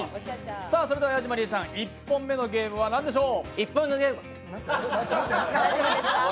それではヤジマリーさん、１本目のゲームは何でしょう？